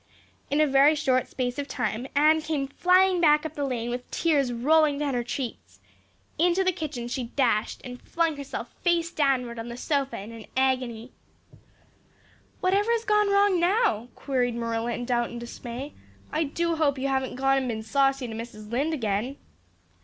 In a very short space of time Anne came flying back up the lane with tears rolling down her cheeks. Into the kitchen she dashed and flung herself face downward on the sofa in an agony. "Whatever has gone wrong now, Anne?" queried Marilla in doubt and dismay. "I do hope you haven't gone and been saucy to Mrs. Lynde again."